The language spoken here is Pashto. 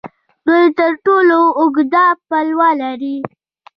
دوی تر ټولو اوږده پوله لري.